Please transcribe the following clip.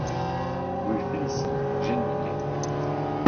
Rue Félicie, Gennevilliers